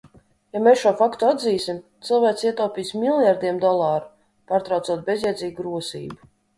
Ja mēs šo faktu atzīsim, cilvēce ietaupīs miljardiem dolāru, pārtraucot bezjēdzīgu rosību.